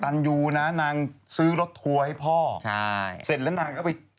เพราะว่าคุณปัญญาก็มาคุยกับพี่ตุ๊กกี้ว่าเราอยากให้โอกาสลองเด็กใหม่มามีบทบาท